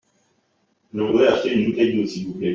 Je voudrais acheter une bouteille d’eau s’il vous plait.